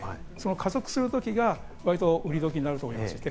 加速する時が売り時になると思います。